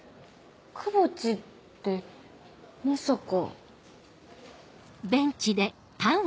窪地ってまさか。